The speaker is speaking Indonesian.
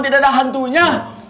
tidak ada hantunya